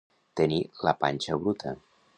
Tenir la panxa bruta.